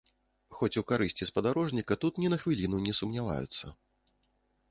Хоць у карысці спадарожніка тут ні на хвіліну не сумняваюцца.